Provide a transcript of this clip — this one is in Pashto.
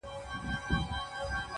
باز دي کم شهباز دي کم خدنګ دی کم-